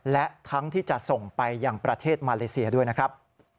และทั้งที่จะส่งไปยังประเทศมาเลเซียด้วยนะครับ